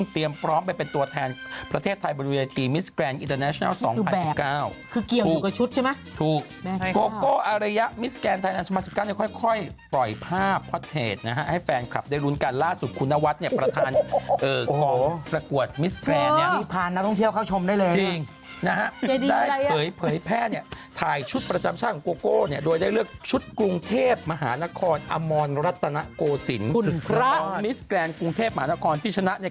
ที่กำลังตามถามน้องคนนี้ว่ามีหน้าใกล้สกมิสแกลนคนนี้สวยมากคุณแม่ตามถามอยู่น้องคนนี้